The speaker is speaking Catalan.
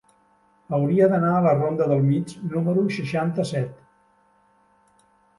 Hauria d'anar a la ronda del Mig número seixanta-set.